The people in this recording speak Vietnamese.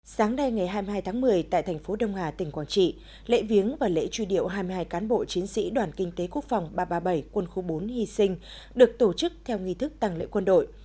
sáng nay ngày hai mươi hai tháng một mươi tại thành phố đông hà tỉnh quảng trị lễ viếng và lễ truy điệu hai mươi hai cán bộ chiến sĩ đoàn kinh tế quốc phòng ba trăm ba mươi bảy quân khu bốn hy sinh được tổ chức theo nghi thức tăng lễ quân đội